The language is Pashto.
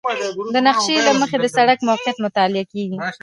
د نقشې له مخې د سړک موقعیت مطالعه کیږي